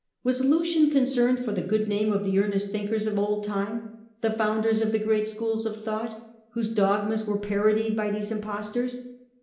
Was Lucian concerned for the good name of the earnest thinkers of old time, the founders of the great schools of thought, whose dogmas were parodied by these impostors